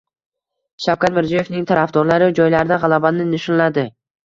Shavkat Mirziyoyevning tarafdorlari joylarda g‘alabani nishonladi